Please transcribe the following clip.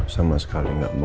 sama sekali gak mau